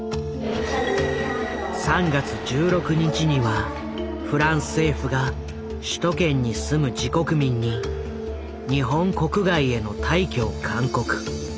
３月１６日にはフランス政府が首都圏に住む自国民に日本国外への退去を勧告。